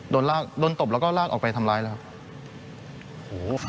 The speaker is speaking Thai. โดนลากโดนตบแล้วก็ลากออกไปทำร้ายแล้วครับ